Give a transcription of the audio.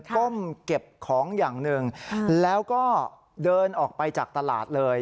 ก้มเก็บของอย่างหนึ่งแล้วก็เดินออกไปจากตลาดเลย